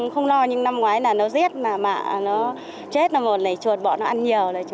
không lo nhưng năm ngoái là nó giết mạ nó chết chuột bọ nó ăn nhiều